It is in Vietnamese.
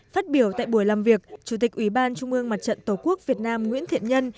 phát biểu tại buổi làm việc chủ tịch ủy ban trung ương mặt trận tổ quốc việt nam nguyễn thiện nhân